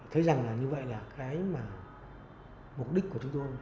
thấy rằng như vậy là mục đích của chúng tôi